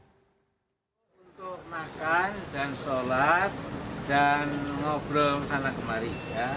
untuk makan dan sholat dan ngobrol sana kemari